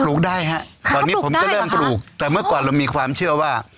ได้ฮะตอนนี้ผมจะเริ่มปลูกแต่เมื่อก่อนเรามีความเชื่อว่า